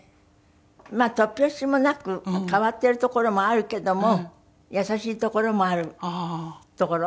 まあ突拍子もなく変わってるところもあるけども優しいところもあるところ。